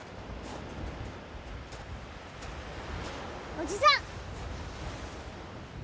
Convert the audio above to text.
おじさん！